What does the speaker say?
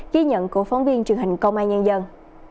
ghi nhận của phóng viên truyền hình công an nhân dân